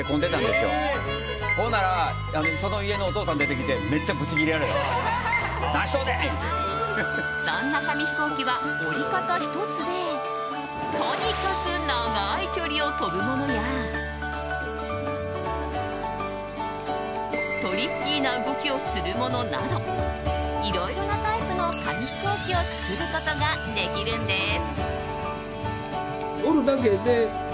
そんな紙飛行機は折り方１つでとにかく長い距離を飛ぶものやトリッキーな動きをするものなどいろいろなタイプの紙飛行機を作ることができるんです。